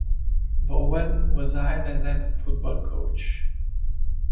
Vowell was hired as head football coach.